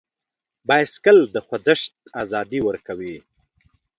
بایسکل د خوځښت ازادي ورکوي.